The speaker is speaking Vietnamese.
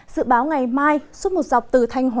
dự báo ngày mai suốt một dọc từ thanh hóa